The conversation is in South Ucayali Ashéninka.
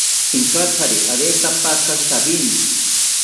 Pinkatsari aretapaka shawini